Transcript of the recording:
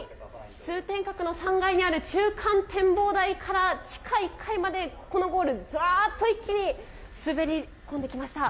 通天閣の３階にある、中間展望台から地下１階まで、ここのゴール、一気に滑り込んできました。